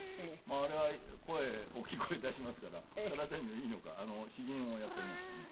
あれは大きい声出しますから体にもいいのか詩吟をやっておりましたね。